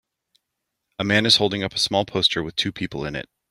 A man is holding up a small poster with two people in it.